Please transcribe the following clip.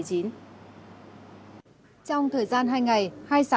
trong thời gian hai ngày